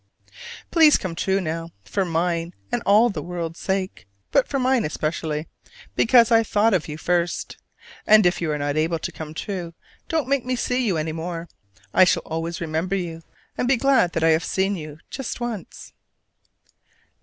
Please come true now, for mine and for all the world's sake: but for mine especially, because I thought of you first! And if you are not able to come true, don't make me see you any more. I shall always remember you, and be glad that I have seen you just once.